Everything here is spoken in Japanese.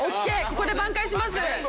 ここで挽回します。